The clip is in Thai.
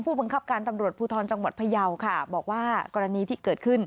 ผู้บังคับการตำรวจภูทรจังหวัดพยาวค่ะบอกว่ากรณีที่เกิดขึ้น